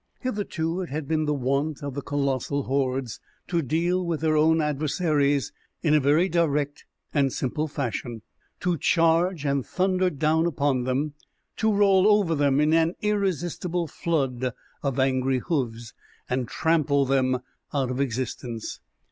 Hitherto it had been the wont of the colossal hordes to deal with their adversaries in a very direct and simple fashion to charge and thunder down upon them, to roll over them in an irresistible flood of angry hooves, and trample them out of existence.